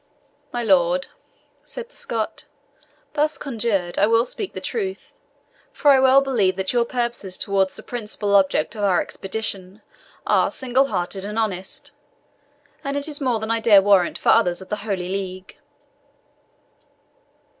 "My lord," said the Scot, "thus conjured, I will speak the truth; for I well believe that your purposes towards the principal object of our expedition are single hearted and honest, and it is more than I dare warrant for others of the Holy League.